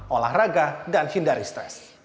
olahraga dan hindari stres